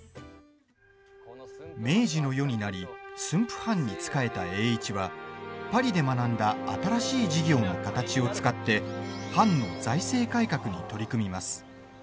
明治の世になり駿府藩に仕えた栄一はパリで学んだ新しい事業の形を使って藩の財政改革に取り組みます。